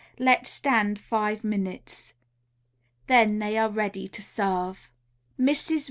Let stand five minutes. Then they are ready to serve. MRS.